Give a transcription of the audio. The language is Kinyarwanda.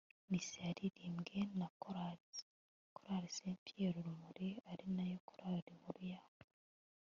missa yaririmbwe na chorales , chorale st pierre urumuri ari nayo chorale nkuru ya